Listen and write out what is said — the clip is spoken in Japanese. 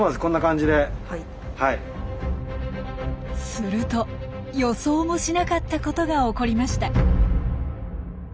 すると予想もしなかったことが起こりました。